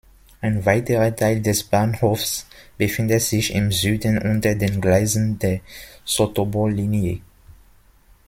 Ein weiterer Teil des Bahnhofs befindet sich im Süden unter den Gleisen der Sotobō-Linie.